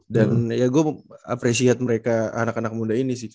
dan ya gue appreciate mereka anak anak muda ini sih ya